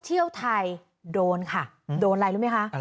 เที่ยวไทยโดนค่ะโดนอะไรรู้ไหมคะ